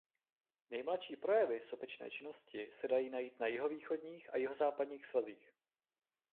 Nejmladší projevy sopečné činnosti se dají najít na jihovýchodních a jihozápadních svazích.